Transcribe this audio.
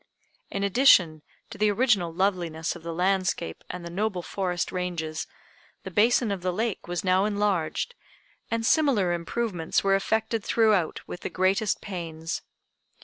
In addition to the original loveliness of the landscape and the noble forest ranges, the basin of the lake was now enlarged, and similar improvements were effected throughout with the greatest pains.